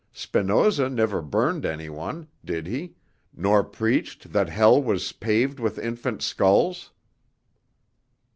Spinoza never burned any one, did he, nor preached that hell was paved with infants' skulls?"